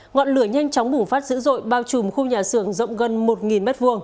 ngọn lửa nhanh chóng bùng phát dữ dội bao trùm khu nhà xưởng rộng gần một m hai